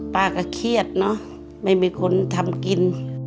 ป่าก็เขียนไม่มีคนทำกิน